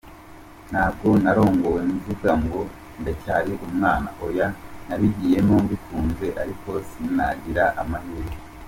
Ntabwo narongowe mvuga ngo ndacyari umwana oya nabigiyemo mbikunze ariko sinagira amahirwe.